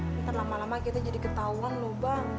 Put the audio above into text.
ntar lama lama kita jadi ketahuan loh bang